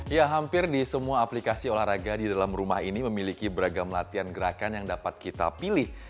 ya hampir di semua aplikasi olahraga di dalam rumah ini memiliki beragam latihan gerakan yang dapat kita pilih